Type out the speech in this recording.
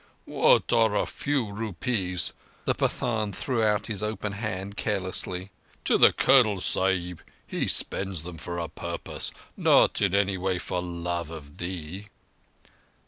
"What are a few rupees"—the Pathan threw out his open hand carelessly—"to the Colonel Sahib? He spends them for a purpose, not in any way for love of thee."